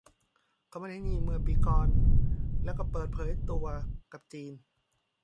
เขามานี่เมื่อปีก่อนแล้วก็เปิดเผยตัวกับจีน